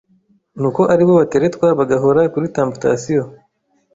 nuko aribo bateretwa bagahora kuri temptation